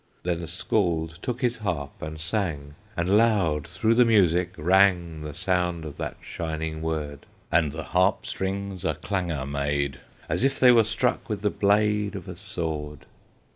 Then the Scald took his harp and sang, And loud through the music rang The sound of that shining word; And the harp strings a clangor made, As if they were struck with the blade Of a sword.